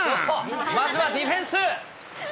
まずはディフェンス。